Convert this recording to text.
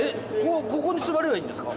ここに座ればいいんですか？